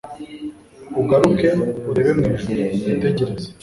ugaruke, urebere mu ijuru, witegereze